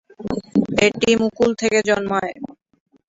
এটি মুকুল থেকে জন্মায়।